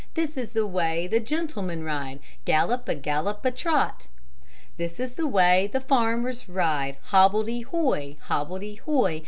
This is the way the gentlemen ride, Gallop a gallop a trot! This is the way the farmers ride, Hobbledy hoy, Hobbledy hoy!